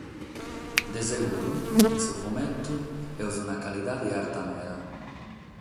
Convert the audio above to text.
De seguru in su fumetu amus una calidade arta meda.